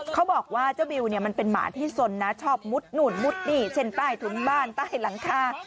เขาบอกว่าเจ้าบิวเนี่ยมันเป็นหมาที่สนนะชอบมุดนู่นมุดนี่เช่นใต้ถุนบ้านใต้หลังคา